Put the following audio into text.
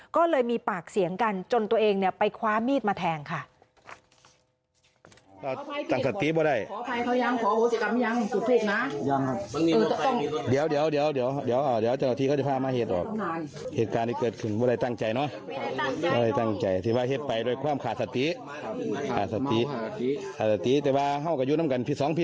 ก็เลยมีปากเสียงกันจนตัวเองไปคว้ามีดมาแทงค่ะ